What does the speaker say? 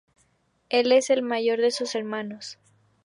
Él es el mayor de sus hermanos:.